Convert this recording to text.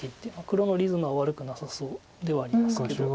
黒のリズムは悪くなさそうではありますけど。